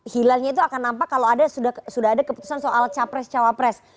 hilalnya itu akan nampak kalau sudah ada keputusan soal capres cawapres